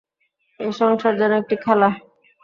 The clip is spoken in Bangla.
এই সংসার যেন একটি খেলা।